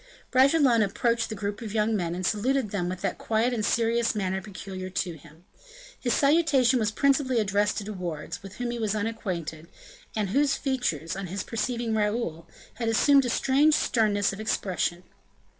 Bragelonne approached the group of young men, and saluted them with that quiet and serious manner peculiar to him. His salutation was principally addressed to De Wardes, with whom he was unacquainted, and whose features, on his perceiving Raoul, had assumed a strange sternness of expression.